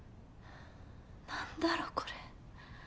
何だろこれ。